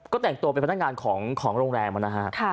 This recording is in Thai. ก็แต่งตัวเป็นพนักงานของโรงแรมนะฮะ